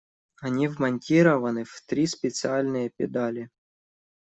Они вмонтированы в три специальные педали.